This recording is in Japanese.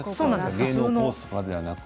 芸能コースではなくて。